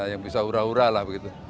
yang bisa hura hura lah begitu